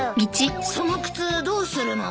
その靴どうするの？